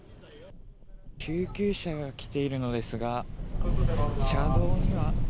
救急車が来ているのですが、車道には。